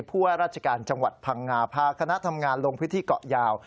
พวกราชการจังหวัดพังงาพาคณะทำงานลงพิธีเกาะยาว